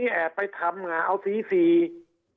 คราวนี้เจ้าหน้าที่ป่าไม้รับรองแนวเนี่ยจะต้องเป็นหนังสือจากอธิบดี